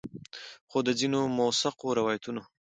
خو د ځینو مؤثقو روایتونو